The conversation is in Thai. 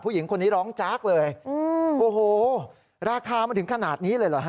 ผู้หญิงคนนี้ร้องจากเลยโอ้โหราคามันถึงขนาดนี้เลยเหรอฮะ